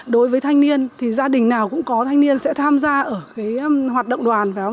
đối với thanh niên thì gia đình nào cũng có thanh niên sẽ tham gia ở cái hoạt động đoàn